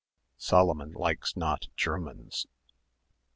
"Solomon likes not Germans."